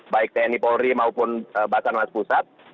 baik tni polri maupun bahkan mas pusat